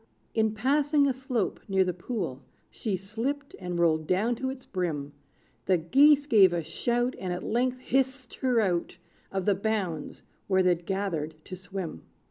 In passing a slope near the pool, She slipped and rolled down to its brim; The geese gave a shout, And at length hissed her out Of the bounds, where they'd gathered to swim.